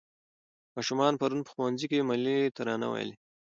ماشومانو پرون په ښوونځي کې ملي ترانه وویله.